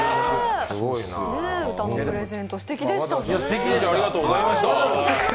歌のプレゼント、すてきでした。